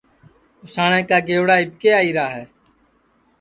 اُساٹؔے کا گئوڑا اِٻکے آئیرا ہے